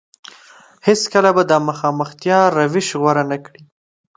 هېڅ کله به د مخامختيا روش غوره نه کړي.